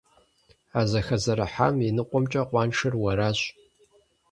А зэхэзэрыхьам и ныкъуэмкӀэ къуаншэр уэращ.